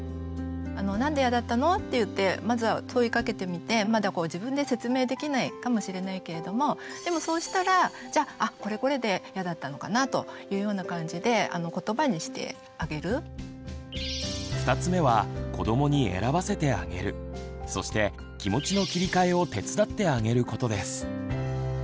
「何でイヤだったの？」って言ってまずは問いかけてみてまだ自分で説明できないかもしれないけれどもでもそうしたら「じゃあこれこれでイヤだったのかな」というような感じで２つ目は子どもに選ばせてあげるそして気持ちの切り替えを手伝ってあげることです。